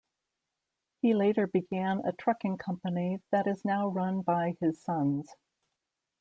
He later began a trucking company that is now run by his sons.